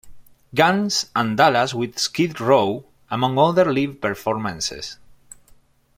Guns, and Dallas with Skid Row, among other live performances.